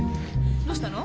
どうしたの？